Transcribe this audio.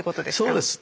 そうです。